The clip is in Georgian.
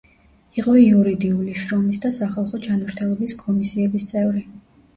იყო იურდიული, შრომის და სახალხო ჯანმრთელობის კომისიების წევრი.